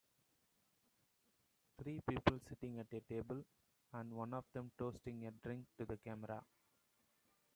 Three people sitting at a table, and one of them toasting a drink to the camera.